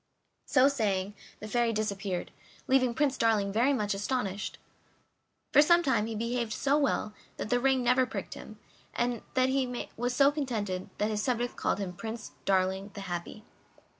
So saying, the Fairy disappeared, leaving Prince Darling very much astonished. For some time he behaved so well that the ring never pricked him, and that made him so contented that his subjects called him Prince Darling the Happy.